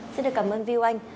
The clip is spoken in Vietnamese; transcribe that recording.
xin được cảm ơn view anh